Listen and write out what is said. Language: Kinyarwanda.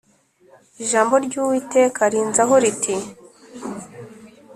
Ijambo ry’Uwiteka rinzaho riti